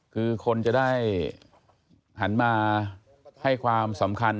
คือคนจะได้หันมาให้ความสำคัญ